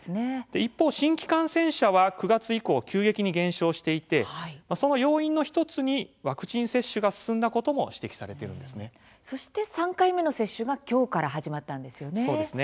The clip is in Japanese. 一方、新規感染者は９月以降急激に減少していてその要因の１つにワクチン接種が進んだこともそして３回目の接種がきょうから始まったんですね。